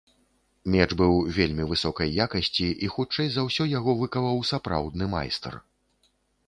Меч быў вельмі высокай якасці і, хутчэй за ўсё, яго выкаваў сапраўдны майстар.